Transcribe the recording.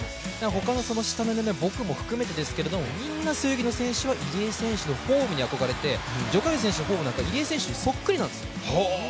他の選手は、僕も含めてですけど、みんな背泳ぎの選手は入江選手のフォームに憧れて徐嘉余選手のフォームは入江選手にそっくりなんです。